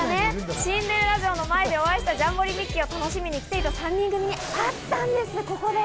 シンデレラ城の前でお会いした、ジャンボリミッキー！を楽しみに来ていた３人組みに会ったんです、ここで。